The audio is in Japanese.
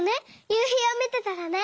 ゆうひをみてたらね。